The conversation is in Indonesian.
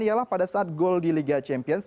ialah pada saat gol di liga champions